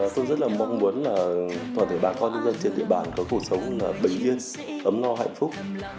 tôi rất là mong muốn là toàn thể bà con nhân dân trên địa bàn có cuộc sống bình yên ấm no hạnh phúc